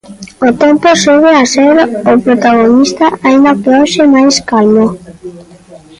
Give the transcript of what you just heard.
O tempo segue a ser o protagonista aínda que hoxe máis calmo.